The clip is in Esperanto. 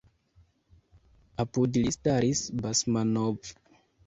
Apud li staris Basmanov.